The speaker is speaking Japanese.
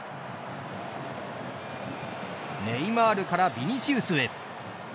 ネイマールからビニシウスへ。